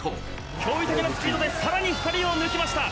驚異的なスピードでさらに２人を抜きました。